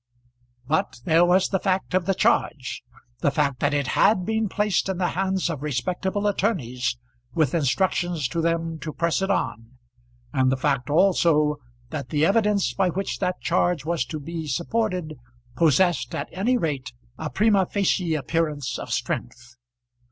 But there was the fact of the charge the fact that it had been placed in the hands of respectable attorneys, with instructions to them to press it on and the fact also that the evidence by which that charge was to be supported possessed at any rate a primâ facie appearance of strength.